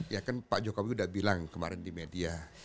ya kan pak jokowi sudah bilang kemarin di media